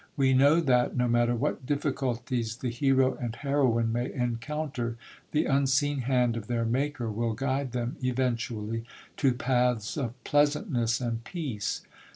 We know that, no matter what difficulties the hero and heroine may encounter, the unseen hand of their maker will guide them eventually to paths of pleasantness and peace.